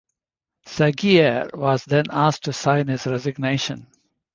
Sagier was then asked to sign his resignation.